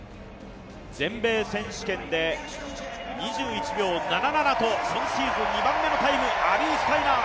全米選手権で２１秒７７と今シーズン２番目のタイム、アビー・スタイナー。